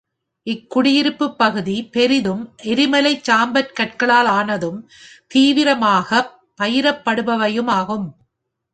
இக்குடியிருப்புப் பகுதி பெரிதும் எரிமலைச் சாம்பல் கற்களால் ஆனதும் தீவிரமாகப் பயிரப்படுபவையும் ஆகும்.